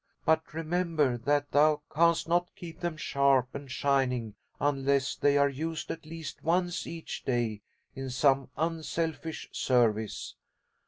But remember that thou canst not keep them sharp and shining unless they are used at least once each day in some unselfish service."